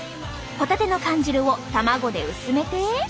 ホタテの缶汁を卵で薄めて。